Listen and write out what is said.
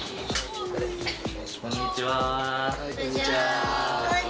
こんにちは。